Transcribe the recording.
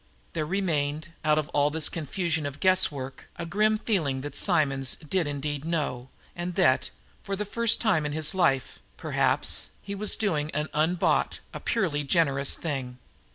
There remained, out of all this confusion of guesswork, a grim feeling that Simonds did indeed know, and that, for the first time in his life, perhaps, he was doing an unbought, a purely generous thing.